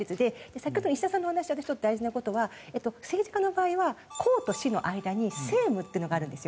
先ほど石田さんのお話で一つ大事な事は政治家の場合は「公」と「私」の間に政務っていうのがあるんですよ。